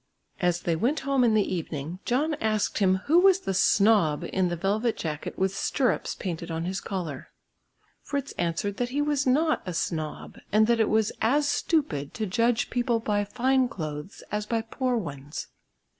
As they went home in the evening John asked him who was the "snob" in the velvet jacket with stirrups painted on his collar. Fritz answered that he was not a snob, and that it was as stupid to judge people by fine clothes as by poor ones.